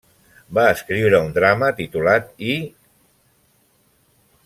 Va escriure un drama titulat Ὑ?